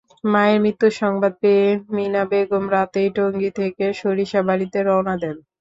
মায়ের মৃত্যুসংবাদ পেয়ে মিনা বেগম রাতেই টঙ্গী থেকে সরিষাবাড়ীতে রওনা দেন।